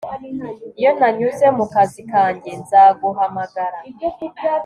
Iyo nanyuze mu kazi kanjye nzaguhamagara